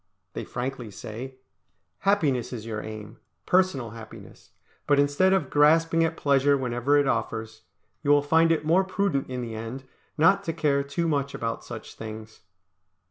They frankly say, "Happiness is your aim, personal happiness; but instead of grasping at pleasure whenever it offers, you will find it more prudent in the end not to care too much about such things."